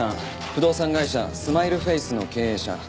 不動産会社住まいるフェイスの経営者。